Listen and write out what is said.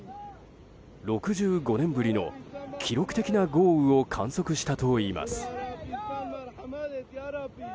６５年ぶりの記録的な豪雨を観測したといいます。